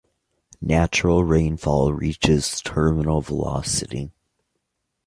Natural rainfall reaches terminal velocity.